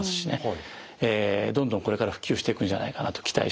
どんどんこれから普及していくんじゃないかなと期待しております。